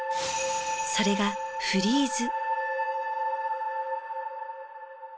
それが「フリーズ」。